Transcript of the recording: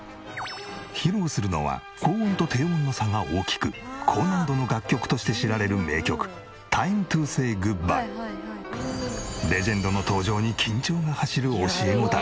披露するのは高音と低音の差が大きく高難度の楽曲として知られる名曲『ＴｉｍｅＴｏＳａｙＧｏｏｄｂｙｅ』。が走る教え子たち。